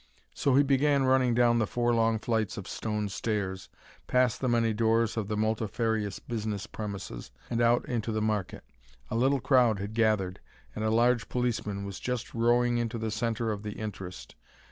So he began running down the four long flights of stone stairs, past the many doors of the multifarious business premises, and out into the market. A little crowd had gathered, and a large policeman was just rowing into the centre of the interest.